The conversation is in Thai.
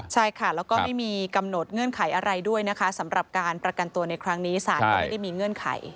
ใช่ค่ะแล้วก็ไม่มีกำหนดเงื่อนไขอะไรด้วยนะคะสำหรับการประกันตัวในครั้งนี้ศาลก็ไม่ได้มีเงื่อนไข